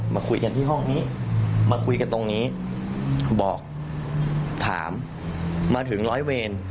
มาคุยกันที่ห้องนี้มาคุยกันตรงนี้บอกถามมาถึงร้อยเวร